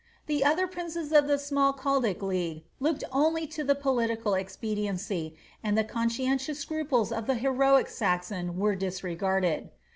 The other princes of the Smalcaldic League looked only to political expediency, and the conscientious scruples of the heroie Saxon were disregarded.